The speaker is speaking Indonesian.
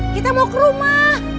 kita mau ke rumah